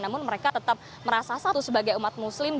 namun mereka tetap merasa satu sebagai umat muslim